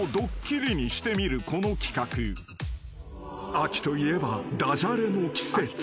［秋といえばダジャレの季節］